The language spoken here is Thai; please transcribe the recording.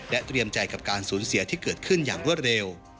เตรียมใจกับการสูญเสียที่เกิดขึ้นอย่างรวดเร็ว